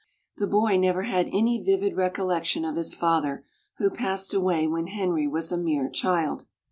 The boy never had any vivid recollection of his father, who passed away when Henry was a mere child.